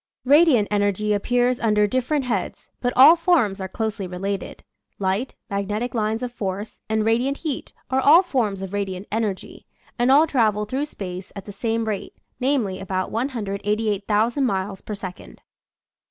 Radiant energy appears under dif ferent heads, but all forms are closely related. Light, magnetic lines of force, and radiant heat are all forms of radiant energy, and all travel through space at the same rate, namely, about 188,000 miles per second.